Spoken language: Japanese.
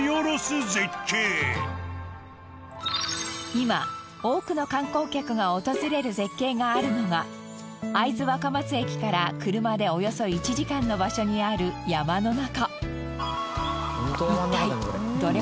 今多くの観光客が訪れる絶景があるのが会津若松駅から車でおよそ１時間の場所にある山の中。